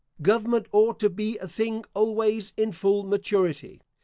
Government ought to be a thing always in full maturity.